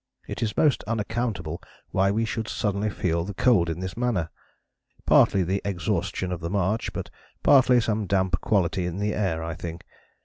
It is most unaccountable why we should suddenly feel the cold in this manner: partly the exhaustion of the march, but partly some damp quality in the air, I think.